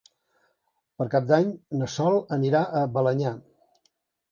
Per Cap d'Any na Sol anirà a Balenyà.